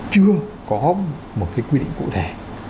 chưa có một cái quy định cụ thể